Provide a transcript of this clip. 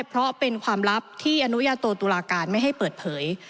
เพราะเป็นความลับที่อนุญาโตตุลาการไม่ให้เปิดเผย